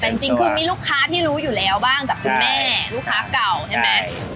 แต่จริงคือมีลูกค้าที่รู้อยู่แล้วบ้างจากคุณแม่ลูกค้าเก่าใช่ไหม